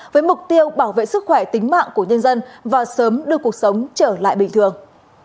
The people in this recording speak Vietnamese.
với mục tiêu bảo vệ sức khỏe tính mạng của nhân dân và sớm đưa cuộc sống trở lại bình thường